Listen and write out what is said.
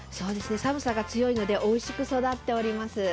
寒さが強いのでおいしく育っております。